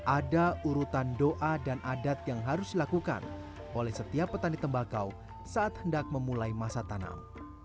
ada urutan doa dan adat yang harus dilakukan oleh setiap petani tembakau saat hendak memulai masa tanam